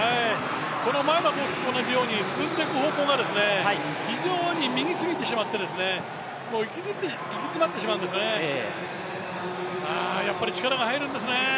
この前の投てきと同じように進んでいく方向が非常に右に行き詰まってしまうんですね、やっぱり力が入るんですね。